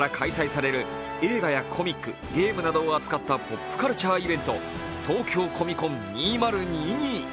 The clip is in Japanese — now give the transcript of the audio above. さる映画やコミック映画を扱ったポップカルチャーイベント、東京コミコン２０２２。